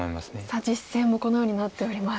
さあ実戦もこのようになっております。